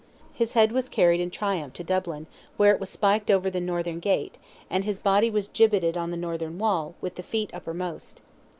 His head was carried in triumph to Dublin, where it was spiked over the northern gate, and his body was gibbeted on the northern wall, with the feet uppermost.